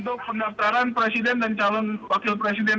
untuk pendaftaran presiden dan calon wakil presiden